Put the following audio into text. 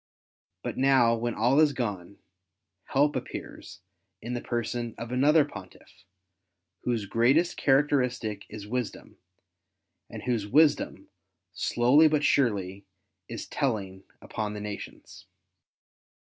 But now when all is gone, help appears in the person of another Pontiff, whose greatest characteristic is wisdom, and whose wisdom, slowly but surely, is telling upon the nations.